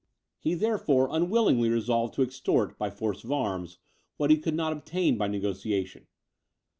He, therefore, unwillingly resolved to extort, by force of arms, what he could not obtain by negociation.